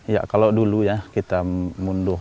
ya kalau dulu ya kita mundur